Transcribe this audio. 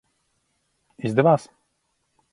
Izdevās?